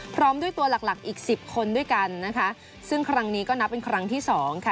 พร้อมด้วยตัวหลักหลักอีกสิบคนด้วยกันนะคะซึ่งครั้งนี้ก็นับเป็นครั้งที่สองค่ะ